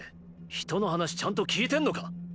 人の話ちゃんと聞いてんのかッ